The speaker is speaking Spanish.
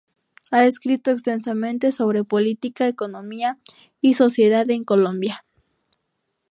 Ha escrito extensamente sobre política, economía y sociedad en Colombia.